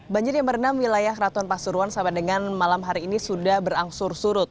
banjir yang merendam wilayah keraton pasuruan sampai dengan malam hari ini sudah berangsur surut